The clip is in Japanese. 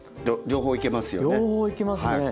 両方いけますね。